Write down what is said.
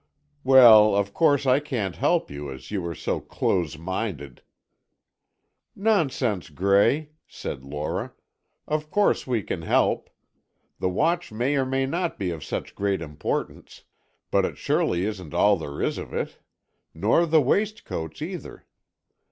"Well, of course I can't help you, as you are so close minded——" "Nonsense, Gray," said Lora, "of course we can help. The watch may or may not be of such great importance, but it surely isn't all there is of it. Nor the waistcoats, either.